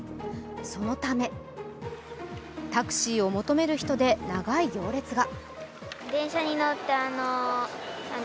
そのため、タクシーを求める人で長い行列が。